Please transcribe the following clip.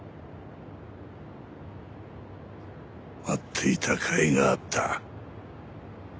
待っていたかいがあった。